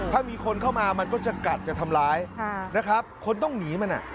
ถ้ามีคนเข้ามามันก็จะกัดจะทำร้ายนะครับคนต้องหนีมัน